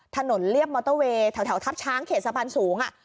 ถนนเรียบมอเตอร์เวย์แถวแถวทับช้างเขตสะพานสูงอ่ะ